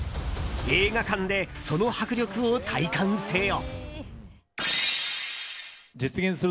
映画館で、その迫力を体感せよ。